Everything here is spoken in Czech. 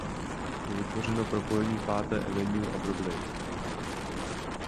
Je vytvořeno propojením Páté Avenue a Broadway.